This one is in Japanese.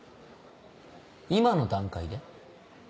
今の段階で？